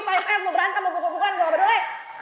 payah payah lu berantem bukuk bukukan gue gak peduli